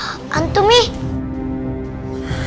apaan tuh mih